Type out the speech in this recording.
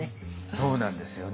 そうなんですよね。